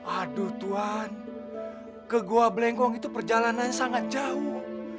aduh tuan ke gua belengkong itu perjalanan sangat jauh